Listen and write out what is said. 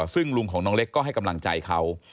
ซึ่งลุงของน้องเล็กก็ให้กำลังใจเขา